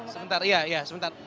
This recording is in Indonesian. sebentar iya iya sebentar